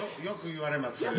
よく言われます。